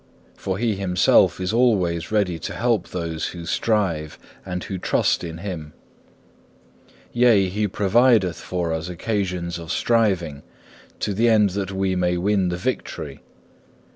For He Himself is alway ready to help those who strive and who trust in Him; yea, He provideth for us occasions of striving, to the end that we may win the victory.